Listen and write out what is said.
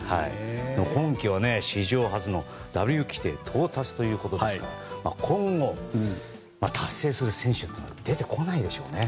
今季は史上初のダブル規定到達ということですから今後、達成する選手というのは出てこないでしょうね。